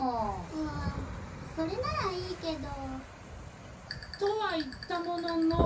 うんそれならいいけど。とは言ったものの！